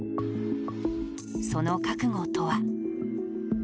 その覚悟とは。